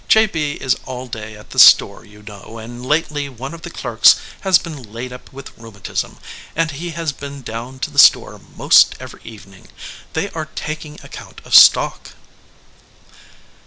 J. B. is all day at the store, you know, and lately one of the clerks has been laid up with rheumatism, and he has been down to the store most every evening. They are taking ac count of stock."